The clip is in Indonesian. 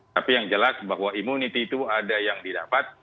tapi yang jelas bahwa immunity itu ada yang didapat